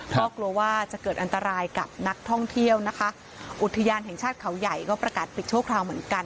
ก็กลัวว่าจะเกิดอันตรายกับนักท่องเที่ยวนะคะอุทยานแห่งชาติเขาใหญ่ก็ประกาศปิดชั่วคราวเหมือนกัน